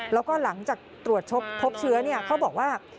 แล้วก็หลังจากตรวจพบเชื้อเขาบอกว่า